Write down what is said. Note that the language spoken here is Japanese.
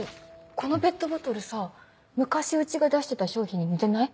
このペットボトルさぁ昔うちが出してた商品に似てない？